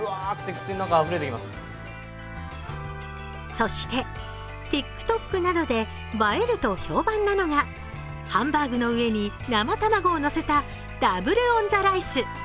そしてＴｉｋＴｏｋなどで映えると評判なのがハンバーグの上に生卵を乗せたダブルオンザライス。